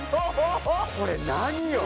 これ何よ！？